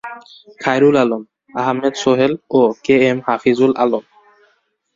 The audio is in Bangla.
খায়রুল আলম, আহমেদ সোহেল ও কে এম হাফিজুল আলম।